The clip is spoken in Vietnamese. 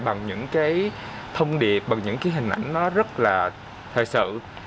bằng những cái thông điệp bằng những cái hình ảnh nó rất là thời sự